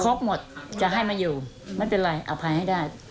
ครบหมดจะให้มาอยู่ไม่เป็นไรอภัยให้ได้